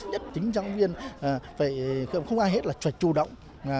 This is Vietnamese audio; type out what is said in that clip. nhất tính giảng viên phải không ai hết là chuẩn chủ động